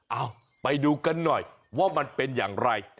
เอาไปดูกันหน่อยว่ามันเป็นอย่างไร